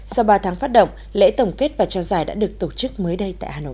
sau ba tháng phát động lễ tổng kết và trao giải đã được tổ chức mới đây tại hà nội